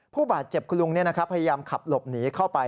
ผู้บาดเจ็บคุณลุงพยายามขับหลบหนีเข้าไป